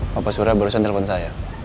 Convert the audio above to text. bapak surya barusan telepon saya